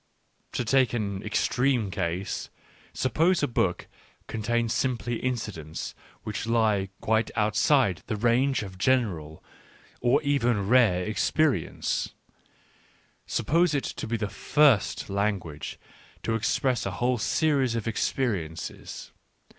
To take an extreme case, suppose a book contains simply incidents which lie quite outside the range of general or even rare ex perience — suppose it to be the first language to express a whole series of experiences.